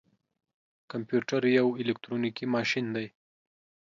کمپيوټر يو اليکترونيکي ماشين دی.